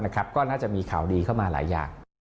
ก็น่าจะมีข่าวดีเข้ามาหลายอย่าง